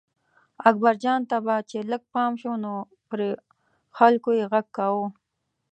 اکبرجان ته به چې لږ پام شو نو پر خلکو یې غږ کاوه.